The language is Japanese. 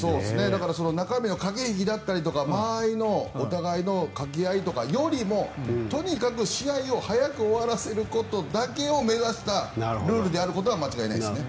中身の駆け引きだったりとか間合いのお互いの掛け合いとかよりもとにかく試合を早く終わらせることだけを目指したルールであることは間違いないですね。